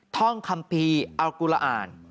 ท่องคัมภีร์เอากุลอ่าน